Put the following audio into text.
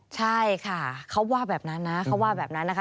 ใช่ค่ะเขาว่าแบบนั้นนะเขาว่าแบบนั้นนะคะ